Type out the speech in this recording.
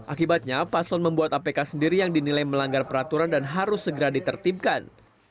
akibatnya paslon membuat apk sendiri yang dinilai melanggar peraturan dan harus segera ditertibkan